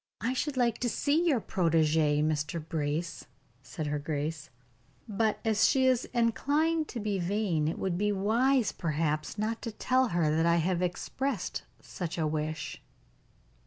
"I should like to see your protegee, Mr. Brace," said her grace; "but as she is inclined to be vain, it would be wise perhaps not to tell her that I have expressed such a wish."